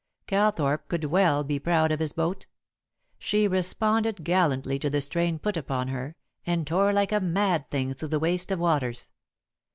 Calthorpe could well be proud of his boat. She responded gallantly to the strain put upon her, and tore like a mad thing through the waste of waters.